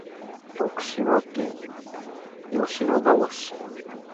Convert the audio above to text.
徳島県吉野川市